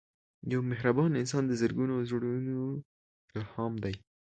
یو مهربان انسان د زرګونو زړونو الهام دی